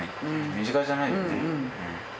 身近じゃないよね。